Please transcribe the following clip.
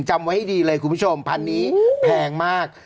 จำไว้ให้ดีเลยคุณผู้ชมพันนี้แพงมาก